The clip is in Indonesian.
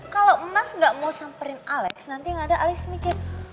kalo mas gak mau samperin alex nanti gak ada alex mikir